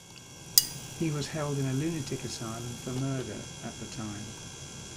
He was held in a lunatic asylum for murder at the time.